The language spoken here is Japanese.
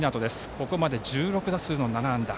ここまで１６打数の７安打。